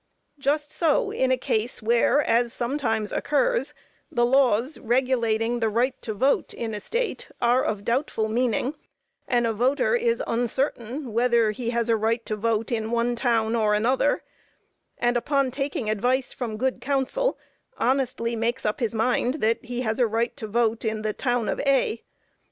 Just so in a case where, as sometimes occurs, the laws regulating the right to vote in a State are of doubtful meaning, and a voter is uncertain whether he has a right to vote in one town or another, and, upon taking advice from good counsel, honestly makes up his mind that he has a right to vote in the town of A.